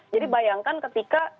jadi bayangkan ketika